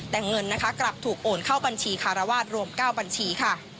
แต่เงินนะคะกลับถูกโอนเข้าบัญชีคารวาสรวม๙บัญชีค่ะ